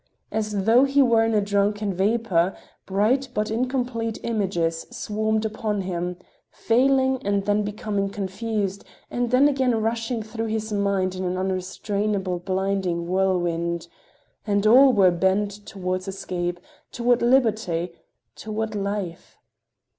As though he were in a drunken vapor, bright but incomplete images swarmed upon him, failing and then becoming confused, and then again rushing through his mind in an unrestrainable blinding whirlwind—and all were bent toward escape, toward liberty, toward life.